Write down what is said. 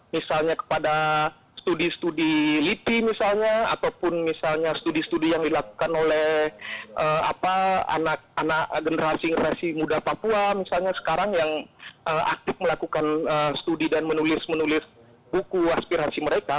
misalnya kepada studi studi liti misalnya ataupun misalnya studi studi yang dilakukan oleh anak anak generasi generasi muda papua misalnya sekarang yang aktif melakukan studi dan menulis menulis buku aspirasi mereka